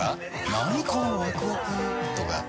なにこのワクワクとか。